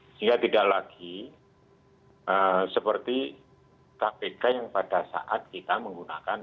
sehingga tidak lagi seperti kpk yang pada saat kita menggunakan